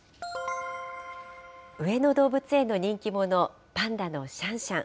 上野動物園の人気者、パンダのシャンシャン。